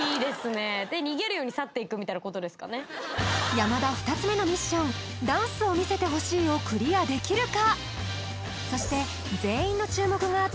山田２つ目のミッションダンスを見せてほしいをクリアできるか？